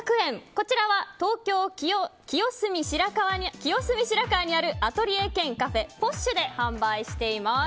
こちらは東京・清澄白河にあるアトリエ兼カフェＰＯＳＨで販売しています。